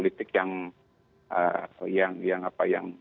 kepada proses proses politik yang